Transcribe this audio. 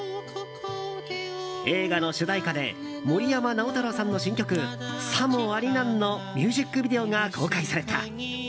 映画の主題歌で森山直太朗さんの新曲「さもありなん」のミュージックビデオが公開された。